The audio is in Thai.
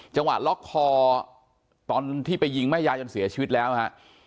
ล็อกคอตอนที่ไปยิงแม่ยายจนเสียชีวิตแล้วฮะ